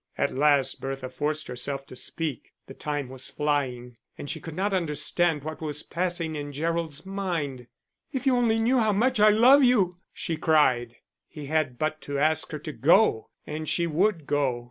At last Bertha forced herself to speak. The time was flying, and she could not understand what was passing in Gerald's mind. "If you only knew how much I love you!" she cried. He had but to ask her to go and she would go.